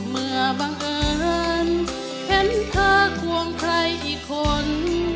บังเอิญเห็นเธอควงใครอีกคน